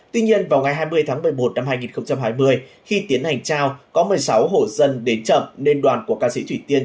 tuy nhiên vào ngày hai mươi tháng một mươi một năm hai nghìn hai mươi khi tiến hành trao có một mươi sáu hộ dân đến chậm nên đoàn của ca sĩ thủy tiên